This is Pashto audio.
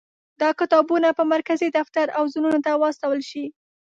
دا کتابونه به مرکزي دفتر او زونونو ته واستول شي.